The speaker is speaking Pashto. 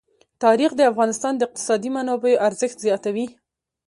تاریخ د افغانستان د اقتصادي منابعو ارزښت زیاتوي.